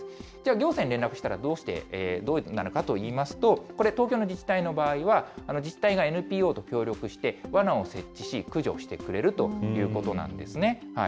行政に連絡したら、どうなのかといいますと、これ、東京の自治体の場合は、自治体がＮＰＯと協力してわなを設置し、駆除してくれるということなんですね。